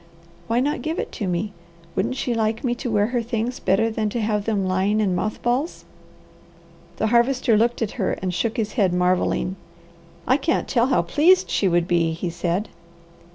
"Why not give it to me. Wouldn't she like me to wear her things better than to have them lying in moth balls?" The Harvester looked at her and shook his head, marvelling. "I can't tell how pleased she would be," he said.